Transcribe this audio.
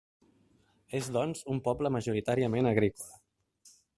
És, doncs, un poble majoritàriament agrícola.